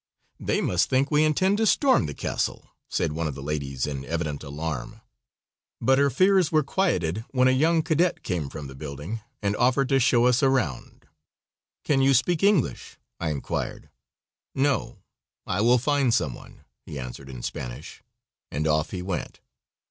"They must think we intend to storm the castle," said one of the ladies in evident alarm, but her fears were quieted when a young cadet came from the building and offered to show us around. "Can you speak English?" I inquired. "No, I will find some one," he answered in Spanish, and off he went.